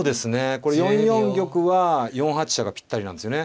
これ４四玉は４八飛車がぴったりなんですよね。